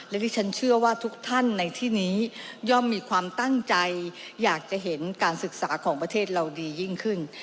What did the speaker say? และที่ฉันเชื่อว่าทุกท่านในที่นี้ย่อมมีความตั้งใจอยากจะเห็นการศึกษาของประเทศเราดียิ่งขึ้น